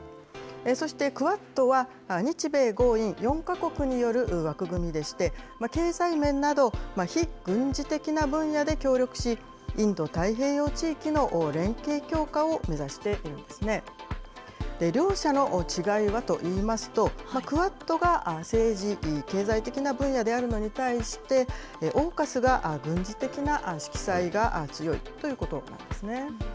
そして、クアッドは、日米豪印４か国による枠組みでして、経済面など、非軍事的な分野で協力し、インド太平洋地域の連携強化を目指しているんですね。両者の違いはといいますと、クアッドが政治・経済的な分野であるのに対して、オーカスが軍事的な色彩が強いということなんですね。